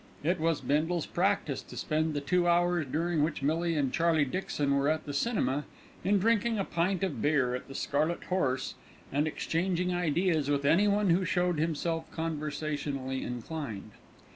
It was Bindle's practice to spend the two hours during which Millie and Charlie Dixon were at the cinema in drinking a pint of beer at the Scarlet Horse, and exchanging ideas with anyone who showed himself conversationally inclined.